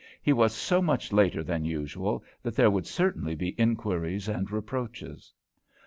He was so much later than usual that there would certainly be inquiries and reproaches.